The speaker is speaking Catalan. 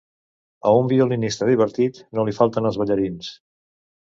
A un violinista divertit no li falten els ballarins.